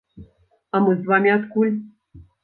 А мы з вамі адкуль?